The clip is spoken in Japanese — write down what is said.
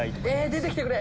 出てきてくれ！